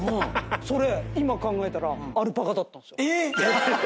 それ今考えたらアルパカだったんですよ。